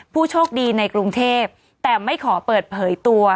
ผู้โชคดีในกรุงเทพแต่ไม่ขอเปิดเผยตัว